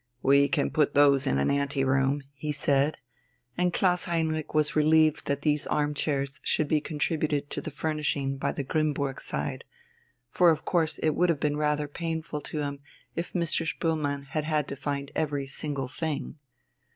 "We can put those in an ante room," he said, and Klaus Heinrich was relieved that these arm chairs should be contributed to the furnishing by the Grimmburg side; for of course it would have been rather painful to him if Mr. Spoelmann had had to find every single thing.